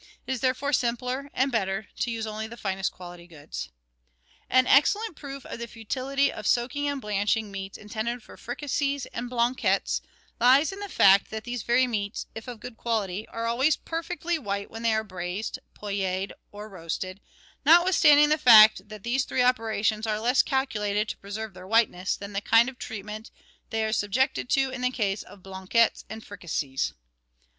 It is therefore simpler and better to use only the finest quality goods. An excellent proof of the futility of soaking and blanching meats intended for "fricassees" and " blanquettes " lies in the fact that these very meats, if of good quality, are always perfectly white when they are braised, poeled, or roasted, not withstanding the fact that these three operations are less calcu lated to preserve their whiteness than the kind of treatment they are subjected to in the case of "blanquettes" and " fricassees."